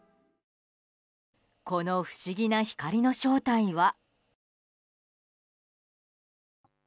この不思議な光の正体は。